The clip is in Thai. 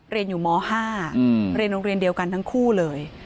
เรียนอยู่ม๕เรียนโรงเรียนเดียวกันทั้งคู่เลย